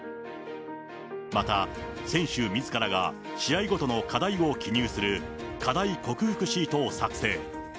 また、選手みずからが試合ごとの課題を記入する、課題克服シートを作成。